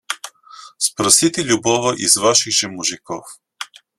Спросите любого из ваших же мужиков.